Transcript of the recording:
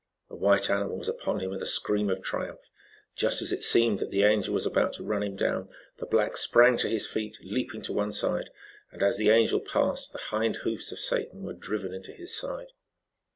The white animal was upon him with a scream of triumph. Just as it seemed that the Angel was about to run him down, the black sprang to his feet, leaping to one side, and as the Angel passed, the hind hoofs of Satan were driven into his side.